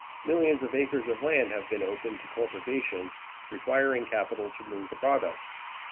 Millions of acres of land have been opened to cultivation, requiring capital to move the products.